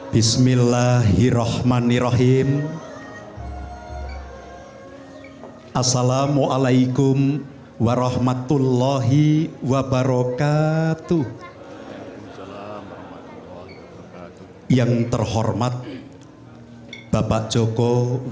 paduk dua puluh tiga maka